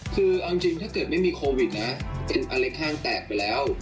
คือเอาจริงถ้าเกิดไม่มีโควิดนะเป็นอะไรข้างแตกไปแล้ว